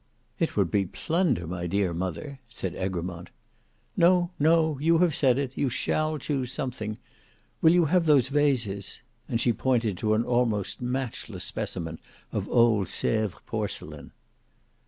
"It would be plunder, my dear mother," said Egremont. "No, no; you have said it; you shall choose something. Will you have those vases?" and she pointed to an almost matchless specimen of old Sevres porcelain.